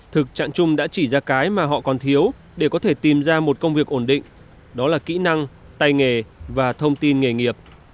thực trạng chung đã chỉ ra cái mà họ còn thiếu để có thể tìm ra một công việc ổn định đó là kỹ năng tay nghề và thông tin nghề nghiệp